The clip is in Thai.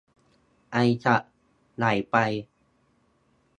ไอ้สัส ใหญ่ไป !